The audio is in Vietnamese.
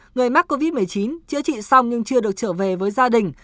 người mắc covid một mươi chín chữa trị xong nhưng chưa được trở về với gia đình